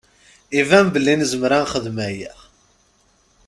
Iban belli nezmer ad nexdem aya.